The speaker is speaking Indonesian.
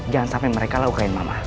jangan sampai mereka lukain mama